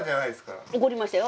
怒りましたよ。